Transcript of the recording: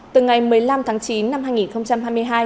từ ngày một mươi năm tháng chín năm hai nghìn hai mươi hai